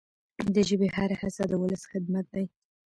د ژبي هره هڅه د ولس خدمت دی.